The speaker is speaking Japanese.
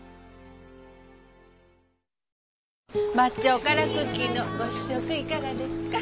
抹茶おからクッキーのご試食いかがですか？